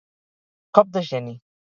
Cop de geni.